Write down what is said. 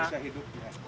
bisa hidup ya